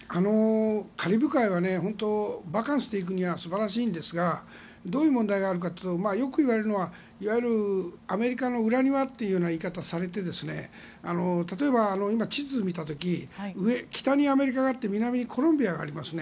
カリブ海はバカンスで行くには素晴らしいんですがどういう問題があるかというとよくいわれるのはいわゆるアメリカの裏庭という言い方をされて例えば今、地図を見た時に北にアメリカがあって南にコロンビアがありますね。